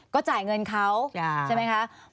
ก็จ่ายเงินเขาใช่ไหมคะ